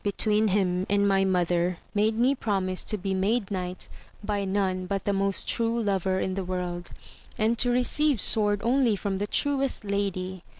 37 between him and my mother, made me promise to be made knight by none but the most true lover in the world, and to receive sword only from the truest lady.